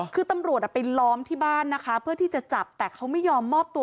คือตำรวจไปล้อมที่บ้านนะคะเพื่อที่จะจับแต่เขาไม่ยอมมอบตัว